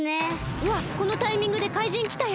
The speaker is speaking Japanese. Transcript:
うわこのタイミングでかいじんきたよ。